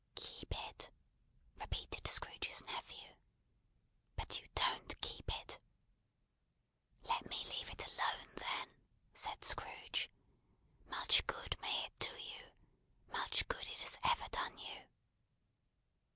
"Keep it!" repeated Scrooge's nephew. "But you don't keep it." "Let me leave it alone, then," said Scrooge. "Much good may it do you! Much good it has ever done you!"